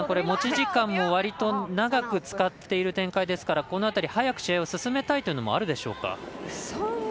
持ち時間もかなり長く使っている展開ですからこの辺り、試合を早く進めたいというのもあるでしょうか。